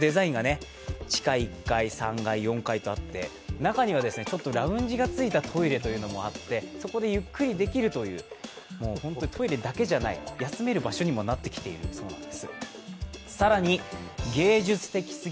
中にはラウンジがついたトイレというのもあってそこでゆっくりできるという、本当にトイレだけじゃない、休める場所にもなってきているそうなんです。